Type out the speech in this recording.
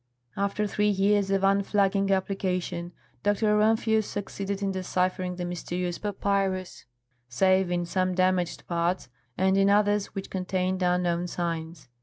After three years of unflagging application, Dr. Rumphius succeeded in deciphering the mysterious papyrus, save in some damaged parts, and in others which contained unknown signs.